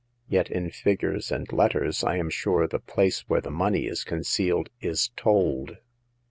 Yet, in figures and letters, I am sure the place where the money is concealed is told."